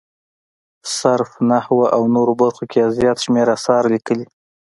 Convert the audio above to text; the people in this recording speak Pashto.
صرف، نحوه او نورو برخو کې یې زیات شمېر اثار لیکلي.